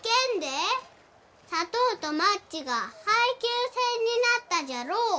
砂糖とマッチが配給制になったじゃろお。